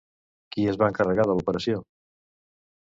Qui es va encarregar de l'operació?